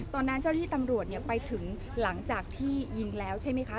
เจ้าหน้าที่ตำรวจไปถึงหลังจากที่ยิงแล้วใช่ไหมคะ